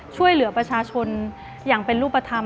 ช่วยเหลือประชาชนอย่างเป็นรูปธรรม